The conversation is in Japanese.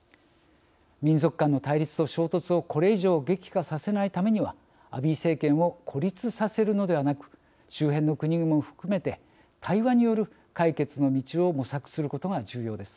民族間の対立と衝突をこれ以上激化させないためにはアビー政権を孤立させるのではなく周辺の国々も含めて対話による解決の道を模索することが重要です。